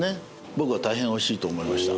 僕は大変美味しいと思いました